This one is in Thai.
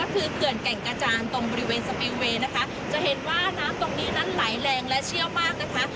คือเขื่อนแก่งกระจานตรงบริเวณสปิลเวย์นะคะจะเห็นว่าน้ำตรงนี้นั้นไหลแรงและเชี่ยวมากนะคะ